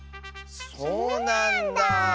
そうなんだあ。